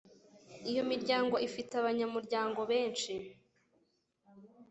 iyo miryango ifite abanyamuryango benshi